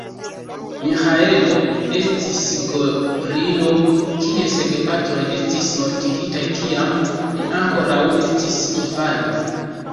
Miĥaelo estis gorilo, kies gepatroj estis mortigitaj, kiam li ankoraŭ estis infano.